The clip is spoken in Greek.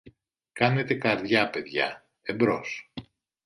Κάνετε καρδιά, παιδιά, εμπρός!